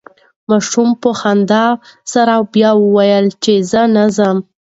ماشوم په خندا سره بیا وویل چې زه نه ځم.